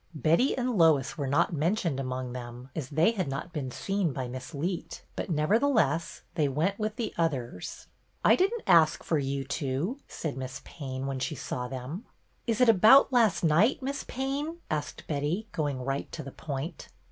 Betty and Lois were not mentioned among them, as they had not been seen by Miss Leet ; but, nevertheless, they went with the others. " I did n't ask for you two," said Miss Payne, when she saw them. " Is it about last night, Miss Payne ?" asked Betty, going right to the point.